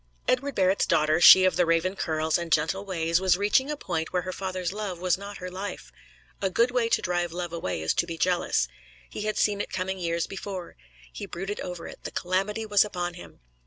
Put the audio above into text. Edward Barrett's daughter, she of the raven curls and gentle ways, was reaching a point where her father's love was not her life. A good way to drive love away is to be jealous. He had seen it coming years before; he brooded over it; the calamity was upon him.